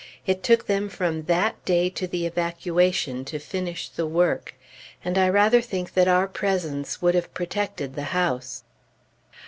It took them from that day to the evacuation to finish the work; and I rather think that our presence would have protected the house.